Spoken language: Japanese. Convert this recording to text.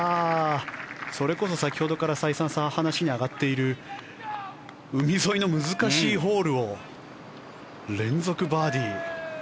それこそ先ほどから再三話に上がっている海沿いの難しいホールを連続バーディー。